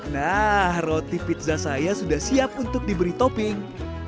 nah roti pizza saya sudah siap untuk diberi topping